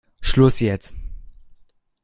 Schluss jetzt!